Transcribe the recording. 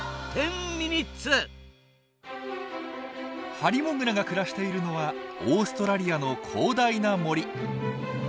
ハリモグラが暮らしているのはオーストラリアの広大な森。